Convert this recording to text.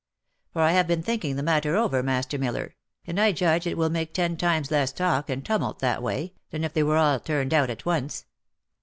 For I have been thinking the matter over, Master Miller, and I judge it will make ten times less talk and tumult that way, than if they were all turned out at once.